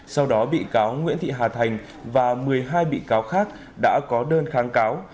sau đó bị cáo nguyễn thị hà thành và một mươi hai bị cáo khác đã có đơn kháng cáo